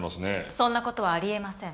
そんな事はありえません。